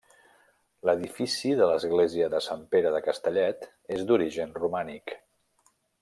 L'edifici de l'església de Sant Pere de Castellet és d'origen romànic.